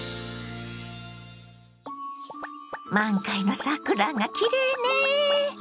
満開の桜がきれいね。